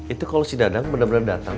itu kalo si dadang bener bener dateng